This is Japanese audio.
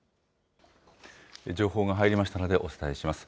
情報が入りましたので、お伝えします。